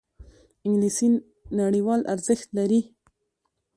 انګلیسي نړیوال ارزښت لري